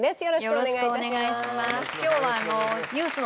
よろしくお願いします